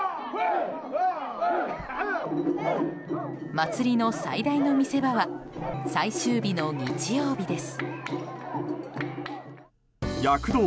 祭りの最大の見せ場は最終日の日曜日です。